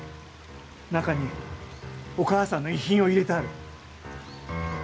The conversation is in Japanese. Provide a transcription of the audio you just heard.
中にお母さんの遺品を入れてある。